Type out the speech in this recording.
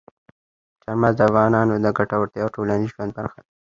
چار مغز د افغانانو د ګټورتیا او ټولنیز ژوند برخه ده.